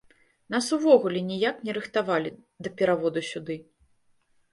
Нас увогуле ніяк не рыхтавалі да пераводу сюды!